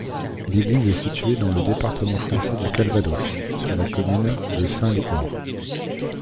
L'église est située dans le département français du Calvados, sur la commune de Saint-Loup-Hors.